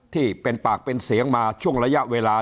ที่เป็นปากเป็นเสียงมาช่วงระยะเวลา